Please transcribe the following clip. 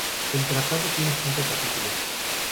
El tratado tiene cinco capítulos.